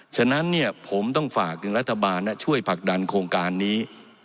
ฉะนั้นเนี่ยผมต้องฝากถึงรัฐบาลช่วยผลักดันโครงการนี้